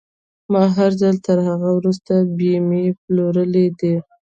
ما هر ځل تر هغه وروسته بيمې پلورلې دي.